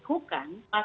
kita lupa dalam hal ini